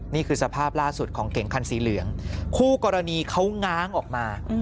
นี่คือสภาพล่าสุดของเก่งคันสีเหลืองคู่กรณีเขาง้างออกมา